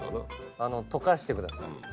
溶かしてください。